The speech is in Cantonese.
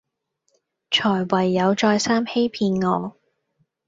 才唯有再三欺騙我